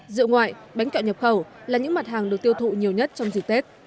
rượu ngoại bánh kẹo nhập khẩu là những mặt hàng được tiêu thụ nhiều nhất trong dịp tết